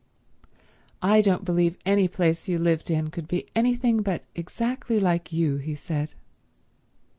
"I don't believe any place you lived in could be anything but exactly like you," he said.